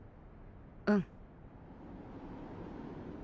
うん。